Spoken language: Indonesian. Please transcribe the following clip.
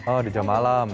oh di jam malam